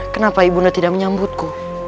kenapa ibu unda tidak menyambutku